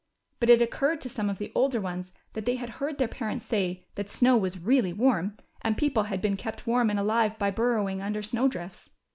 But it occurred to some of the older ones that they had heard their parents say that snow was really warm, and people had been kept warm and alive by burrowing under snow drifts.